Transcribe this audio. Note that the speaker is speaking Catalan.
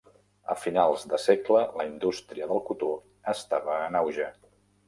A finals de segle, la indústria del cotó estava en auge.